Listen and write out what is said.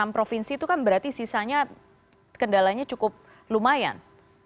enam provinsi itu kan berarti sisanya kendalanya cukup lumayan